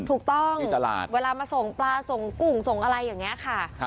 ถูกต้องเวลามาส่งปลาส่งกุ่งส่งอะไรอย่างนี้ค่ะ